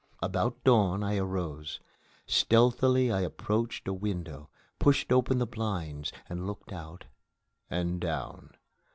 About dawn I arose. Stealthily I approached a window, pushed open the blinds, and looked out and down.